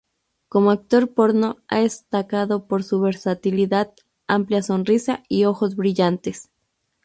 Como actor porno ha destacado por su versatilidad, amplia sonrisa y ojos brillantes.